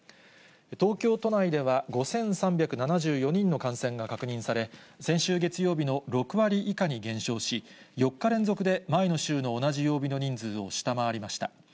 東京都内では５３７４人の感染が確認され、先週月曜日の６割以下に減少し、４日連続で前の週の同じ曜日の人数を下回りました。